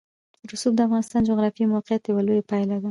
رسوب د افغانستان د جغرافیایي موقیعت یوه لویه پایله ده.